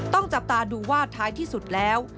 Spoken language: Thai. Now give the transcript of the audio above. จับตาดูว่าท้ายที่สุดแล้ว